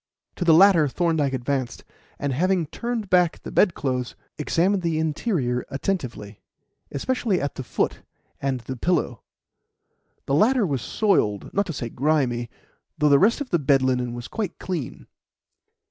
To the latter Thorndyke advanced, and, having turned back the bedclothes, examined the interior attentively, especially at the foot and the pillow. The latter was soiled not to say grimy though the rest of the bed linen was quite clean.